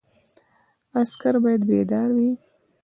عسکر باید بیدار وي